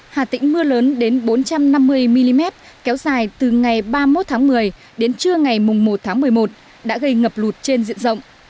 hà tĩnh mưa lớn đến bốn trăm năm mươi mm kéo dài từ ngày ba mươi một tháng một mươi đến trưa ngày một tháng một mươi một đã gây ngập lụt trên diện rộng